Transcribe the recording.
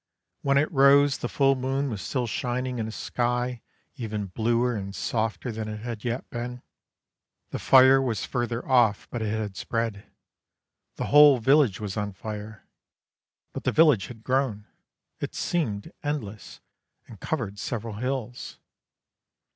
When it rose the full moon was still shining in a sky even bluer and softer than it had yet been. The fire was further off, but it had spread. The whole village was on fire; but the village had grown; it seemed endless, and covered several hills.